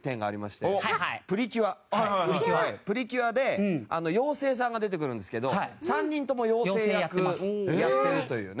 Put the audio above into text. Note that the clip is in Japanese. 『プリキュア』で妖精さんが出てくるんですけど３人とも妖精役やってるというね。